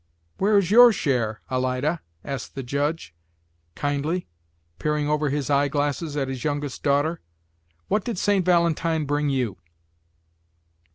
"Where is your share, Alida?" asked the judge, kindly, peering over his eye glasses at his youngest daughter. "What did St. Valentine bring you?"